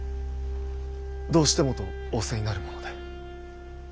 どうしてもと仰せになるもので。